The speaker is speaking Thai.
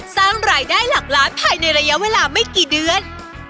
สร้างรายได้หลักล้านภายในระยะเวลาไม่กี่เดือน